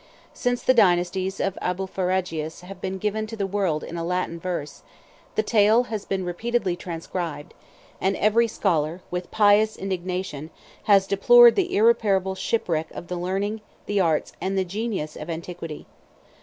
Since the Dynasties of Abulpharagius 116 have been given to the world in a Latin version, the tale has been repeatedly transcribed; and every scholar, with pious indignation, has deplored the irreparable shipwreck of the learning, the arts, and the genius, of antiquity.